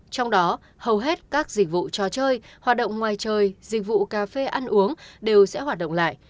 trong đó hầu hết các dịch vụ trò chơi hoạt động ngoài trời dịch vụ cà phê ăn uống đều sẽ hoạt động lại